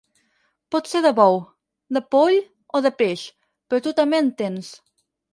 Pot ser de bou, de poll o de peix, però tu també en tens.